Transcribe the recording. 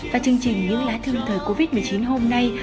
và chương trình những lá thư thời covid một mươi chín hôm nay